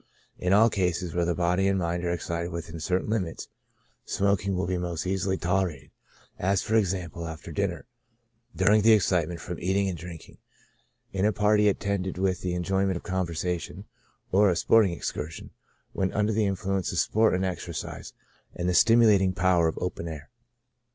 In all cases where the body and mind are excited within certain limits, smoking will be most easily tolerated ; as, for example, after dinner, during the excitement from eating and drinking, in a party attended with the enjoyment of conversation, or a sporting excursion, when under the influence of sport and exercise, and the stimulating power of the open air.